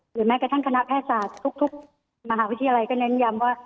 แม้กระทั่งคณะแพทยศาสตร์ทุกมหาวิทยาลัยก็เน้นย้ำว่า